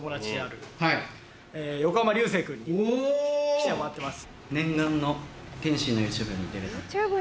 来てもらってます。